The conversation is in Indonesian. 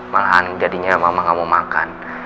malahan jadinya mama gak mau makan